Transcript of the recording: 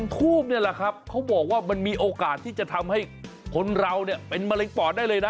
ทูบนี่แหละครับเขาบอกว่ามันมีโอกาสที่จะทำให้คนเราเนี่ยเป็นมะเร็งปอดได้เลยนะ